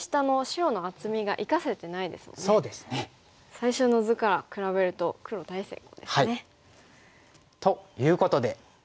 最初の図から比べると黒大成功ですね。ということで。